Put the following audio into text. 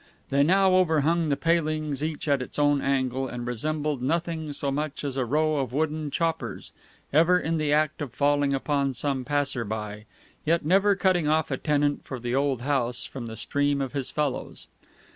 They now overhung the palings each at its own angle, and resembled nothing so much as a row of wooden choppers, ever in the act of falling upon some passer by, yet never cutting off a tenant for the old house from the stream of his fellows.